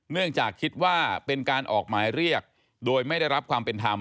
เนื่องจากคิดว่าเป็นการออกหมายเรียกโดยไม่ได้รับความเป็นธรรม